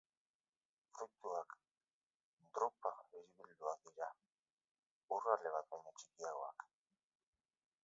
Fruituak drupa biribilduak dira, hur-ale bat baino txikiagoak.